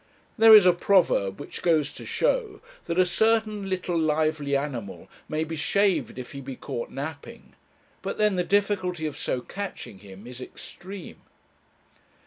There is a proverb which goes to show that a certain little lively animal may be shaved if he be caught napping; but then the difficulty of so catching him is extreme.